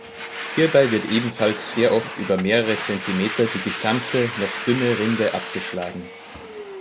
Hierbei wird ebenfalls sehr oft über mehrere Zentimeter die gesamte, noch dünne Rinde abgeschlagen.